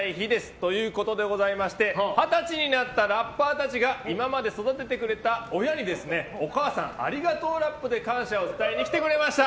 ということでございまして二十歳になったラッパーたちが今まで育ててくれた親にお母さんありがとうラップで感謝を伝えに来てくれました。